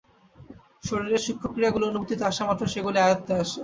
শরীরের সূক্ষ্ম ক্রিয়াগুলি অনুভূতিতে আসামাত্র সেগুলি আয়ত্তে আসে।